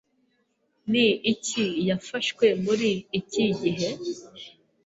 Ni iki yafashwe muri iki gihe?